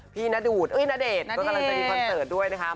ณดูดณเดชน์ก็กำลังจะมีคอนเสิร์ตด้วยนะคะ